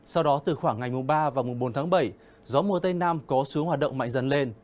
sau đó từ khoảng ngày ba bốn tháng bảy gió mùa tây nam có xuống hoạt động mạnh dần lên